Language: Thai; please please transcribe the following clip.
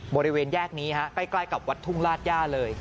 บริเวณแยกนี้ฮะใกล้กับวัดทุ่งลาดย่าเลย